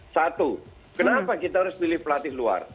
satu kenapa kita harus milih pelatih luar